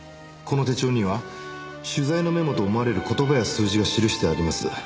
この手帳には取材のメモと思われる言葉や数字が記してあります。